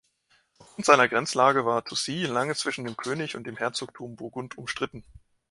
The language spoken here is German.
Aufgrund seiner Grenzlage war Toucy lange zwischen dem König und dem Herzogtum Burgund umstritten.